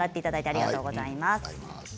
ありがとうございます。